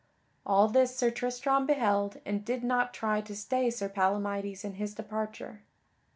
All this Sir Tristram beheld and did not try to stay Sir Palamydes in his departure.